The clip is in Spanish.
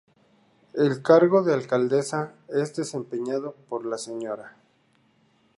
El cargo de alcaldesa es desempeñado por la Sra.